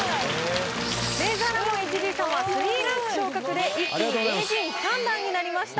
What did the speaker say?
レイザーラモンＨＧさんは３ランク昇格で一気に名人３段になりました。